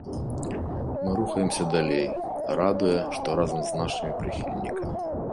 Мы рухаемся далей, радуе, што разам з нашымі прыхільнікамі.